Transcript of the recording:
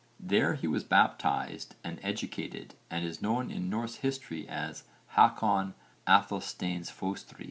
There he was baptised and educated and is known in Norse history as Hákon Aðalsteinsfóstri.